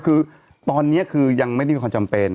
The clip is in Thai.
คือตอนนี้คือยังไม่มีคนจำเป็น